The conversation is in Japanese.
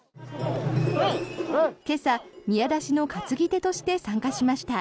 今朝、宮出しの担ぎ手として参加しました。